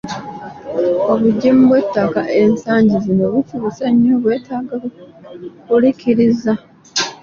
Obugimu bw'ettaka ensangi zino bukyuse nnyo bwetaaga kuliikiriza.